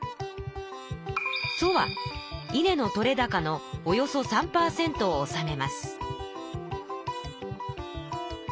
稲の取れ高のおよそ３％を納めます。